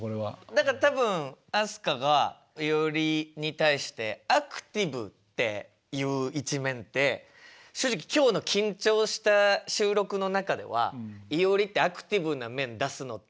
だから多分飛鳥がいおりに対して「アクティブ」っていう一面って正直今日の緊張した収録の中ではいおりってアクティブな面出すのって難しいじゃん。